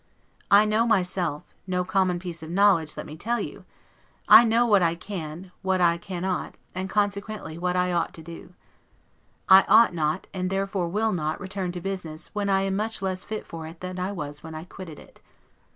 I know myself (no common piece of knowledge, let me tell you), I know what I can, what I cannot, and consequently what I ought to do. I ought not, and therefore will not, return to business when I am much less fit for it than I was when I quitted it.